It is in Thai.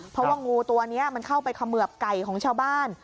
เพราะว่างูตัวนี้มันเข้าไปเขมือบไก่ของชาวบ้าน